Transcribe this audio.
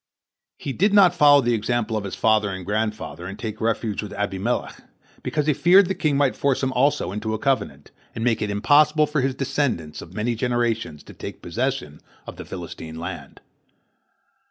He did not follow the example of his father and grandfather and take refuge with Abimelech, because he feared the king might force also him into a covenant, and make it impossible for his descendants of many generations to take possession of the Philistine land.